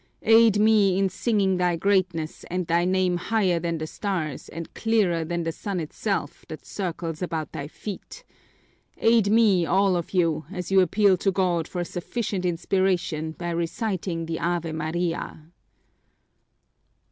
Aid me in singing thy greatness and thy name higher than the stars and clearer than the sun itself that circles about thy feet! Aid me, all of you, as you appeal to God for sufficient inspiration by reciting the Ave Maria!"